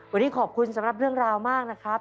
วันนี้ขอบคุณสำหรับเรื่องราวมากนะครับ